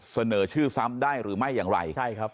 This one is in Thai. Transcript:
เสนอชื่อซ้ำได้หรือไม่อย่างไร